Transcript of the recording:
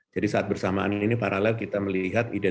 jadi saat bersamaan ini paralel kita harus bisa membuat vaksin dengan cepat